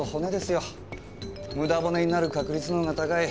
無駄骨になる確率の方が高い。